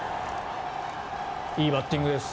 いいバッティングです。